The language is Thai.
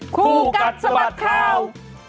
ครูกัสสะบัดคราว